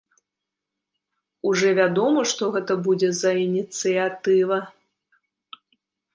Ужо вядома, што гэта будзе за ініцыятыва?